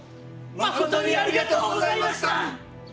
まことにありがとうございました！